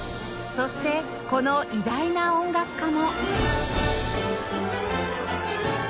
そしてこの偉大な音楽家も